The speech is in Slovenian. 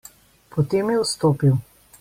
Potem je vstopil.